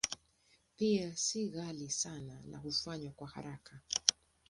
Pia si ghali sana na hufanywa kwa haraka.